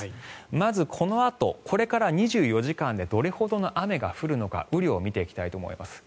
まずこのあとこれから２４時間でどれほどの雨が降るのか雨量を見ていきたいと思います。